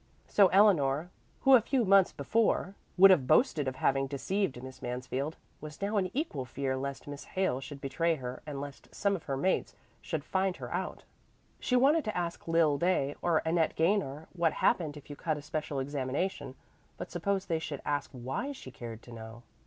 So Eleanor, who a few months before would have boasted of having deceived Miss Mansfield, was now in equal fear lest Miss Hale should betray her and lest some of her mates should find her out. She wanted to ask Lil Day or Annette Gaynor what happened if you cut a special examination; but suppose they should ask why she cared to know?